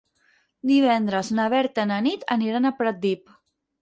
Divendres na Berta i na Nit aniran a Pratdip.